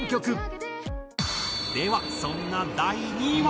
ではそんな第２位は。